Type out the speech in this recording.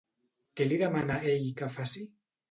Què li demana ell que faci?